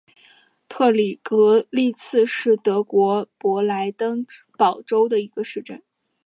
特里格利茨是德国勃兰登堡州的一个市镇。